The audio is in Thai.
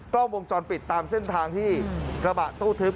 กล้องวงจรปิดตามเส้นทางที่กระบะตู้ทึบ